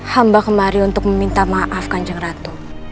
saya datang untuk meminta maaf kanjeng ratu